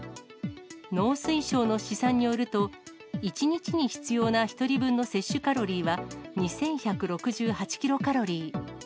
農水省の試算によると、１日に必要な１人分の摂取カロリーは、２１６８キロカロリー。